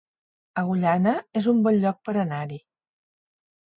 Agullana es un bon lloc per anar-hi